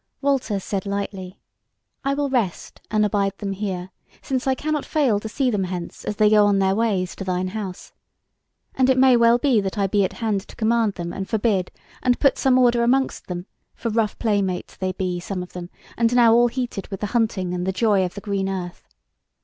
Walter said lightly: "I will rest and abide them here; since I cannot fail to see them hence as they go on their ways to thine house. And it may be well that I be at hand to command them and forbid, and put some order amongst them, for rough playmates they be, some of them, and now all heated with the hunting and the joy of the green earth."